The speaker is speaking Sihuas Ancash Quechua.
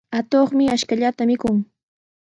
Atuqmi ashkallata mikun.